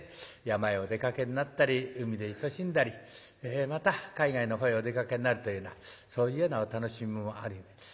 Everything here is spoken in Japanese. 山へお出かけになったり海でいそしんだりまた海外の方へお出かけになるというようなそういうようなお楽しみもあり